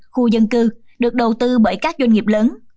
khu dân cư được đầu tư bởi các doanh nghiệp lớn